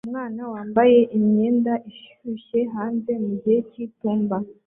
Umwana yambaye imyenda ishyushye hanze mu gihe cy'itumba